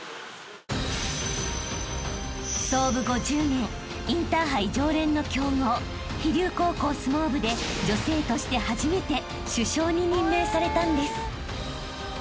［創部５０年インターハイ常連の強豪飛龍高校相撲部で女性として初めて主将に任命されたんです］